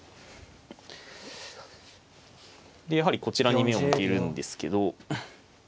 やはりこちらに目を向けるんですけど。